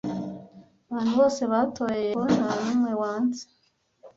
Abantu bose batoye yego. Nta n'umwe wanze.